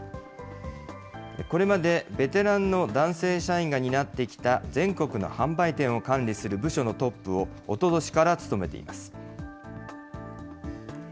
これまでベテランの男性社員が担ってきた全国の販売店を管理する部署のトップをおととしから務めています。